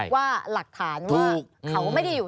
ว่าหลักฐานว่าเขาไม่ได้อยู่